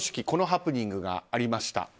このハプニングがありました。